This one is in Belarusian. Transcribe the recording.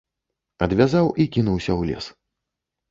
Адвязаў і кінуўся ў лес.